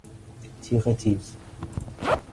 تیغ تیز